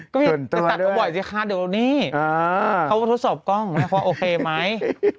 ก็ไม่ตัดเวลาเยอะมากซิค่ะเดี๋ยวนี่ครับว่าทัวร์สอบกล้องง่ายความโอเคไหม